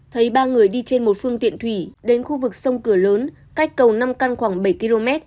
thấy ba người đi trên một phương tiện thủy đến khu vực sông cửa lớn cách cầu năm căn khoảng bảy km